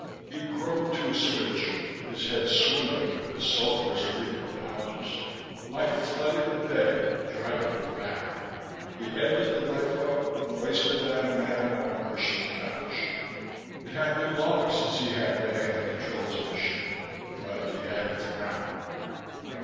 He groped to a switch, his head swimming with the sulphurous reek of the Hunters; light flooded the bay, driving them back. He entered the lifeboat, placed the dying man on a cushioned couch. It had been long since he had manned the controls of a ship, but he had not forgotten.